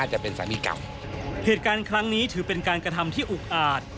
เหตุการณ์ครั้งนี้ถือเป็นการกระทำที่อุกอาจ